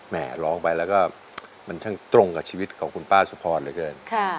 แหม่ร้องไปแล้วเขียนช่างตรงกับชีวิตของคุณป้าซุพรรดิเลยเกิน